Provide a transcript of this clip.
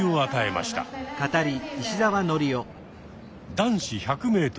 男子１００ｍ。